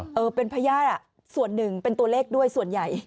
เออเป็นพญาติส่วนหนึ่งเป็นตัวเลขด้วยส่วนใหญ่